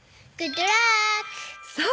そう！